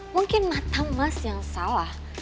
mungkin mata emas yang salah